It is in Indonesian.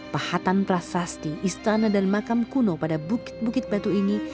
pahatan prasasti istana dan makam kuno pada bukit bukit batu ini